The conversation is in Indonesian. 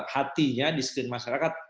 hatinya di sisi masyarakat